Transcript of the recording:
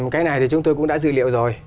cái này chúng tôi cũng đã dự liệu rồi